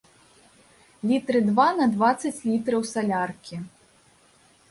Літры два на дваццаць літраў саляркі.